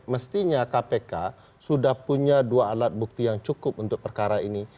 mestinya kpk sudah punya dua alat bukti yang cukup untuk perkara ini